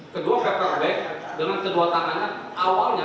kedua paper bag dengan kedua tangannya awalnya